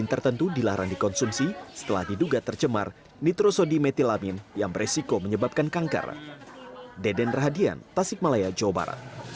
yang tertentu dilarang dikonsumsi setelah diduga tercemar nitrosodimetilamin yang beresiko menyebabkan kanker